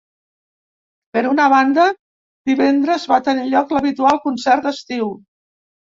Per una banda, divendres va tenir lloc l’habitual Concert d’estiu.